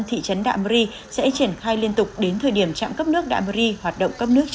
thị trấn đạ mơ ri sẽ triển khai liên tục đến thời điểm trạm cấp nước đạ mơ ri hoạt động cấp nước